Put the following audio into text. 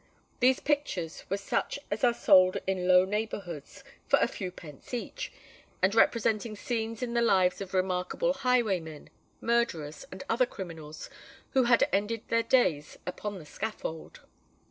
These pictures were such as are sold in low neighbourhoods for a few pence each, and representing scenes in the lives of remarkable highwaymen, murderers, and other criminals who had ended their days upon the scaffold.